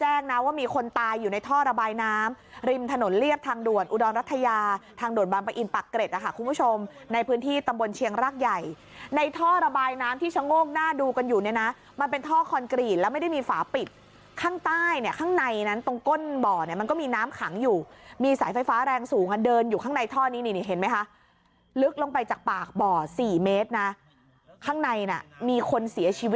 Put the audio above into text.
แรกนะว่ามีคนตายอยู่ในท่อระบายน้ำริมถนนเลียบทางด่วนอุดรรัฐยาทางด่วนบำปะอินปากเกร็ดค่ะคุณผู้ชมในพื้นที่ตำบลเชียงรักใหญ่ในท่อระบายน้ำที่ชะโง่งหน้าดูกันอยู่เนี่ยนะมันเป็นท่อคอนกรีตแล้วไม่ได้มีฝาปิดข้างใต้เนี่ยข้างในนั้นตรงก้นบ่อเนี่ยมันก็มีน้ำขังอยู่มีสายไฟฟ้